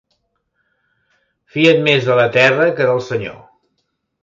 Fia't més de la terra que del senyor.